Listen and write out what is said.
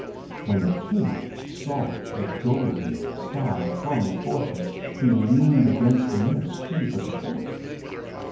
When the king saw the golden stars upon their foreheads he leaned against the nearest tree for support.